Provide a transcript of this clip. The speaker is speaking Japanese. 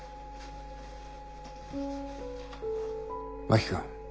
真木君